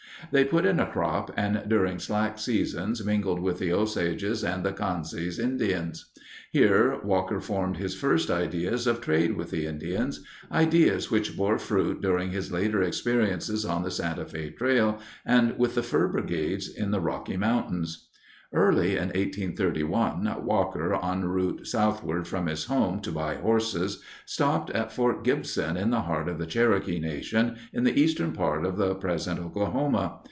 They put in a crop and during slack seasons mingled with the Osages and the Kanzas Indians. Here Walker formed his first ideas of trade with the Indians—ideas which bore fruit during his later experiences on the Santa Fe Trail and with the fur brigades in the Rocky Mountains. Early in 1831, Walker, enroute southward from his home to buy horses, stopped at Fort Gibson in the heart of the Cherokee Nation in the eastern part of the present Oklahoma.